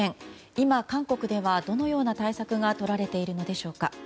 今、韓国ではどのような対策がとられているのでしょうか。